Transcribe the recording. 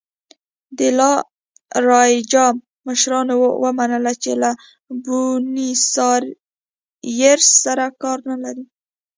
د لا رایجا مشرانو ومنله چې له بونیسایرس سره کار نه لري.